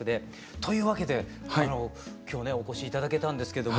というわけで今日ねお越し頂けたんですけども。